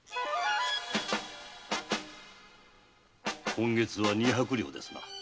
今月は二百両ですな。